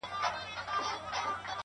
o چي یې پاڼي کړو پرواز لره وزري,